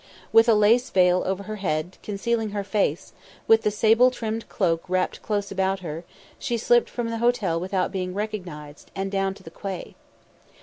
With a lace veil over her head, concealing her face, with the sable trimmed cloak wrapped close about her, she slipped from the hotel without being recognised, and down to the quay.